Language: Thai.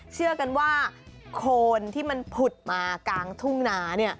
เชื่อกันว่าโคนที่มันผุดมากลางทุ่งนา